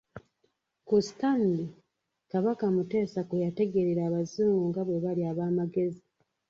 Ku Stanley, Kabaka Mutesa kwe yategeerera Abazungu nga bwe bali ab'amagezi.